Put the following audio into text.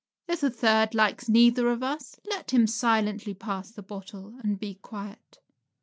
If a third likes neither of us, let him silently pass the bottle and be quiet.